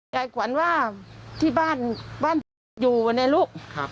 ยายขวัญว่าที่บ้านอยู่ในลุก